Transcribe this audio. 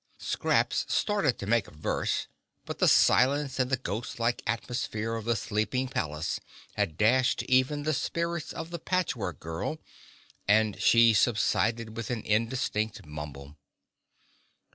Scraps started to make a verse, but the silence and the ghostlike atmosphere of the sleeping palace had dashed even the spirits of the Patch Work Girl and she subsided with an indistinct mumble.